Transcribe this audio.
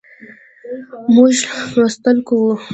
موږ لوستل کوو